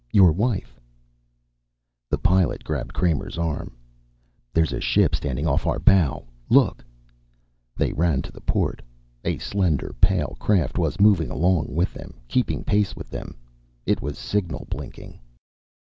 Your wife " The Pilot grabbed Kramer's arm. "There's a ship standing off our bow. Look." They ran to the port. A slender pale craft was moving along with them, keeping pace with them. It was signal blinking.